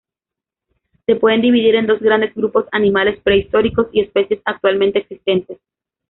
Se pueden dividir en dos grandes grupos: animales prehistóricos y especies actualmente existentes.